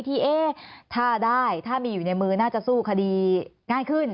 ที่ถ้าได้ถ้ามีอยู่ในมือน่าจะสู้คดีง่ายขึ้น